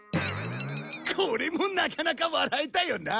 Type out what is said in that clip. これもなかなか笑えたよな！